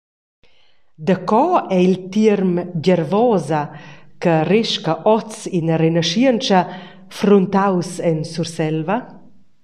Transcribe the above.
Daco ei il tierm «gervosa», che resca oz ina renaschientscha, fruntaus en Surselva?